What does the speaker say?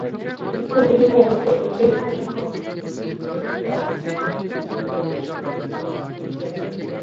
প্রতি সদস্য শস্য উৎপাদনের পর গৃহীত প্রতি এক মণ শস্যের বিপরীতে দেড় মণ শস্য ব্যাংকে ফেরত দিতেন।